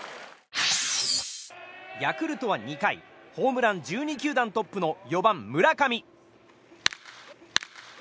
ヤクルトは２回ホームラン１２球団トップの４番、村上。